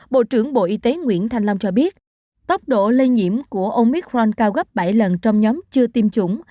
bộ trưởng bộ y tế nguyễn thanh long cho biết tốc độ lây nhiễm của omicron cao gấp bảy lần trong nhóm chưa tiêm chủng